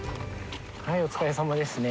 はいお疲れさまですね